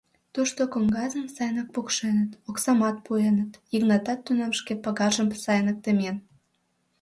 Тушто коҥгазым сайынак пукшеныт, оксамат пуэныт, Йыгнатат тунам шке пагаржым сайынак темен.